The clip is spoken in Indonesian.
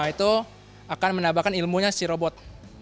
itu akan menambahkan ilmunya si robot